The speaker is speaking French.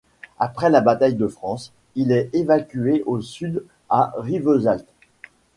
Après la Bataille de France, il est évacué au sud à Rivesaltes.